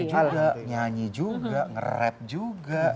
karya juga nyanyi juga nge rap juga